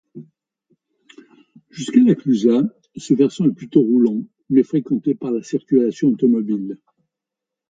Jusqu’à La Clusaz, ce versant est plutôt roulant mais fréquenté par la circulation automobile.